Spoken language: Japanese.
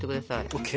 ＯＫ！